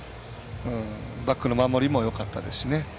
バックの守りもよかったですしね。